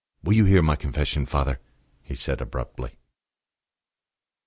"Will you hear my confession, father?" he said abruptly.